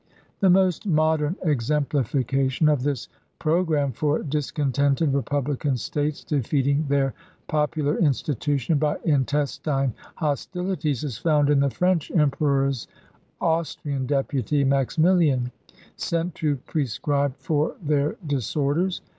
a i rp^ mos£ modern exemplification of this pro gramme for discontented Eepublican States defeat ing their popular institution by intestine hostilities is found in the French emperor's Austrian deputy, Maximilian, sent to prescribe for their disorders.